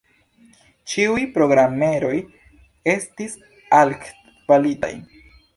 Ĉiuj programeroj estis altkvalitaj.